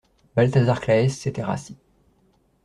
Balthazar Claës s'était rassis.